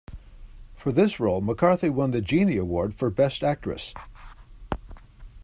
For this role, McCarthy won the Genie Award for Best Actress.